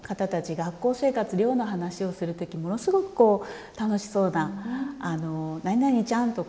学校生活寮の話をする時ものすごくこう楽しそうな「何々ちゃん」とか。